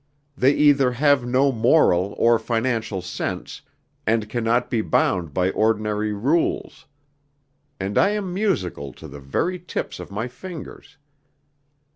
They either have no moral or financial sense, and cannot be bound by ordinary rules. And I am musical to the very tips of my fingers.